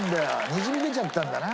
にじみ出ちゃってたんだな。